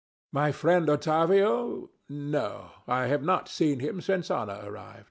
My friend Ottavio? No: I have not seen him since Ana arrived.